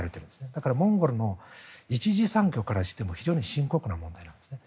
だからモンゴルの一次産業からしても深刻な問題なんですね。